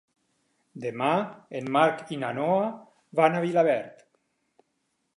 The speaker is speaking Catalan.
Demà en Marc i na Noa van a Vilaverd.